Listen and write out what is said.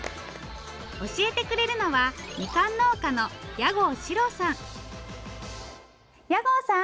教えてくれるのはみかん農家の矢郷史郎さん矢郷さん！